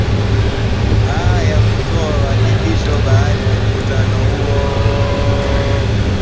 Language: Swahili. a ya kutoa hakikisho hilo baada ya mkutano huo